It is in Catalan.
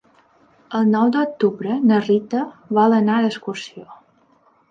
El nou d'octubre na Rita vol anar d'excursió.